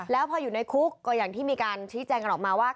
แล้วพออยู่ในคุกก็อย่างที่มีการชี้แจงกันออกมาว่า